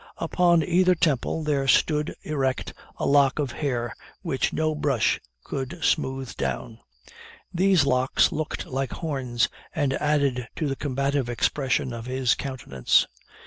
Upon either temple there stood erect a lock of hair, which no brush could smooth down. These locks looked like horns, and added to the combative expression of his countenance.